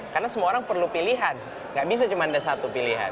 karena semua orang perlu pilihan nggak bisa cuma ada satu pilihan